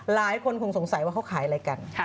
หลายคนคงสงสัยว่าเขาขายอะไรกัน